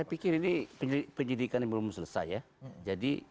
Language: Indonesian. saya pikir ini penyidikan yang belum selesai ya